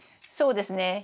そうですね